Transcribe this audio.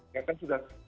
ya kan sudah